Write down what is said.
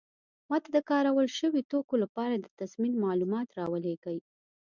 ما ته د کارول شوي توکو لپاره د تضمین معلومات راولیږئ.